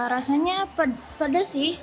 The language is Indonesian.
rasanya pedas sih